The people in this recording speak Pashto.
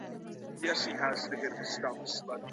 مقابل اړخ ته بايد د کمزورۍ احساس ورنه کړل سي.